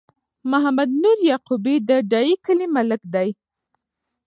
محمد نور یعقوبی د ډایی کلی ملک دی